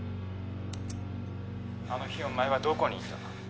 「あの日お前はどこにいた？」